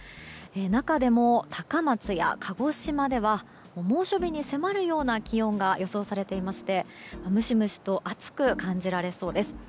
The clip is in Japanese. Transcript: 中でも高松や鹿児島では猛暑日に迫るような気温が予想されていましてムシムシと暑く感じられそうです。